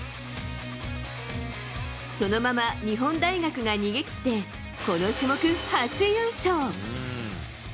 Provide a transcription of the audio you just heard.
そのまま日本大学が逃げ切ってこの種目、初優勝。